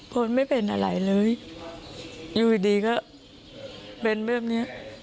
คนไม่เป็นอะไรเลยอยู่ดีก็เป็นแบบเนี้ย